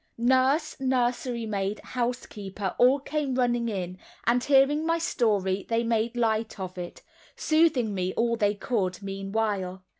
Nurse, nursery maid, housekeeper, all came running in, and hearing my story, they made light of it, soothing me all they could meanwhile.